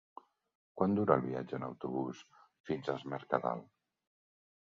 Quant dura el viatge en autobús fins a Es Mercadal?